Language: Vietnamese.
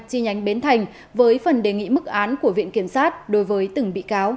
chính nhánh bến đông